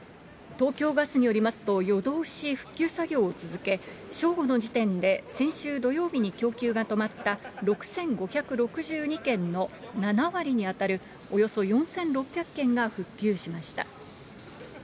東京ガスによりますと、夜通し復旧作業を続け、正午の時点で先週土曜日に供給が止まった６５６２軒の７割に当たる、およそ４６００軒が復旧しました。